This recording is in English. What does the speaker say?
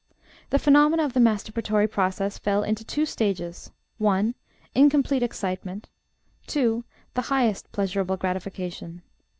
The phenomena of the masturbatory process fell into two stages: (1) incomplete excitement, (2) the highest pleasurable gratification.